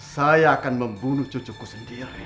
saya akan membunuh cucuku sendiri